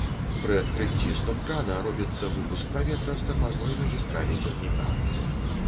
Пры адкрыцці стоп-крана робіцца выпуск паветра з тармазной магістралі цягніка.